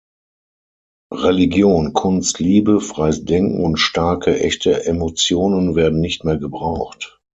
Religion, Kunst, Liebe, freies Denken und starke, echte Emotionen werden nicht mehr gebraucht.